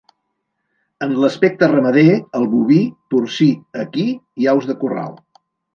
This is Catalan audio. En l'aspecte ramader, el boví, porcí, equí i aus de corral.